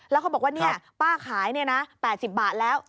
แล้วเขาบอกว่าป้าขาย๘๐บาทแล้ว